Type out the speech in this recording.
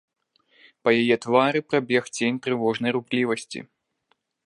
Па яе твары прабег цень трывожнай руплівасці.